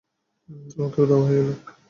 ও কি উধাও হয়ে গেল?